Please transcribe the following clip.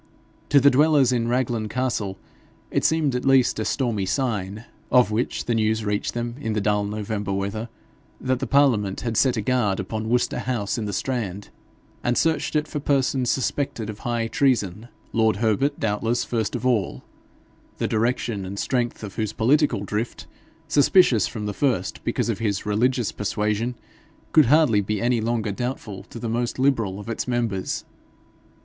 To the dwellers in Raglan Castle it seemed at least a stormy sign of which the news reached them in the dull November weather that the parliament had set a guard upon Worcester House in the Strand, and searched it for persons suspected of high treason lord Herbert, doubtless, first of all, the direction and strength of whose political drift, suspicious from the first because of his religious persuasion, could hardly be any longer doubtful to the most liberal of its members.